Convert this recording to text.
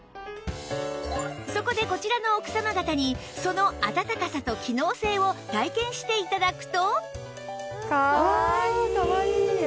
そこでこちらの奥様方にそのあたたかさと機能性を体験して頂くと